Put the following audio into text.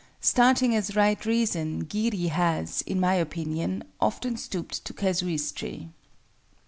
Starting as Right Reason, Giri has, in my opinion, often stooped to casuistry.